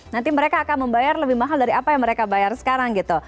nanti mereka akan membayar lebih mahal dari apa yang mereka bayar sekarang gitu